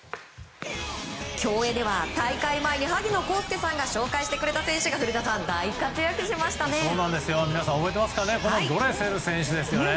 競泳では大会前に萩野公介さんが紹介してくれた選手が古田さん、大活躍しましたね。